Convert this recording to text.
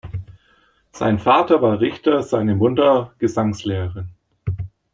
Sein Vater war Richter, seine Mutter Gesangslehrerin.